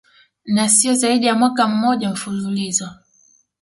na siyo zaidi ya mwaka mmoja mfululizo